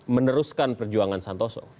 meneruskan perjuangan santoso